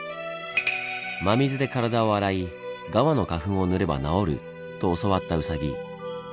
「真水で体を洗いガマの花粉を塗れば治る」と教わったウサギ。